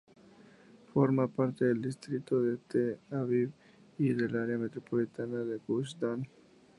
Forma parte del Distrito de Tel Aviv y del área metropolitana de Gush Dan.